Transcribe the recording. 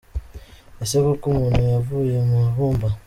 Ese koko umuntu yavuye mu ibumba?.